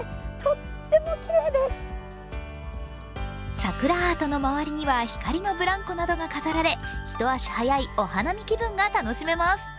桜アートの周りには光のブランコなどが飾られ一足早いお花見気分が楽しめます。